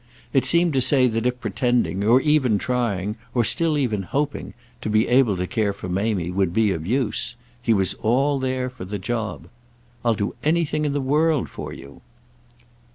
It seemed to say that if pretending, or even trying, or still even hoping, to be able to care for Mamie would be of use, he was all there for the job. "I'll do anything in the world for you!"